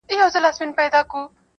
له هوا به پر هوسۍ حمله کومه-